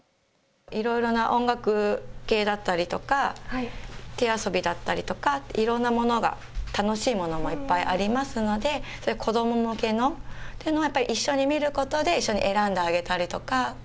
いろいろな音楽系だったりとか手遊びだったりとかいろんなものが、楽しいものもいっぱいありますのでそういう子ども向けのというのをやっぱり一緒に見ることで一緒に選んであげたりとか。